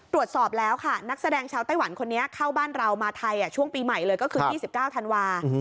ตรวจสอบแล้วค่ะนักแสดงชาวไต้หวันคนนี้เข้าบ้านเรามาไทยช่วงปีใหม่เลยก็คือ๒๙ธันวา